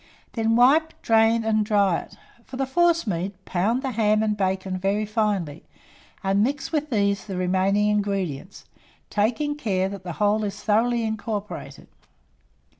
Then wipe, drain, and dry it. For the forcemeat, pound the ham and bacon very finely, and mix with these the remaining ingredients, taking care that the whole is thoroughly incorporated.